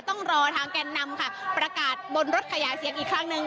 ต้องรอทางแก่นนำค่ะประกาศบนรถขยายเสียงอีกครั้งหนึ่ง